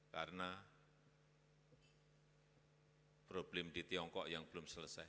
karena problem di tiongkok yang belum selesai